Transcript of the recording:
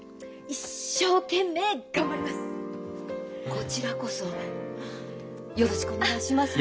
こちらこそよろしくお願いしますね。